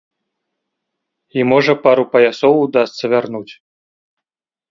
І можа пару паясоў удасца вярнуць.